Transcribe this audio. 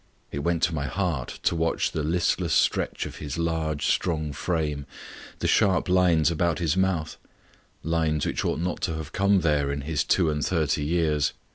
It went to my heart to watch the listless stretch of his large, strong frame the sharp lines about his mouth lines which ought not to have come there in his two and thirty years.